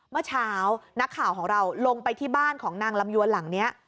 เมื่อเช้านักข่าวของเราลงไปที่บ้านของนางลำยวนหลังนี้